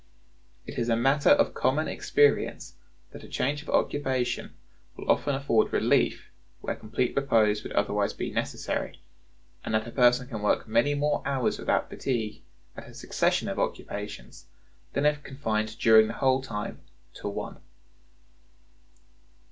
It is a matter of common experience that a change of occupation will often afford relief where complete repose would otherwise be necessary, and that a person can work many more hours without fatigue at a succession of occupations, than if confined during the whole time to one.